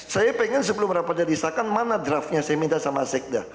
saya pengen sebelum rapatnya disahkan mana draftnya saya minta sama sekda